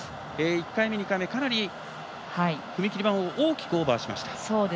１回目、２回目かなり踏切板を大きくオーバーしました。